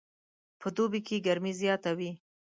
په دوبي کې ګرمي زیاته وي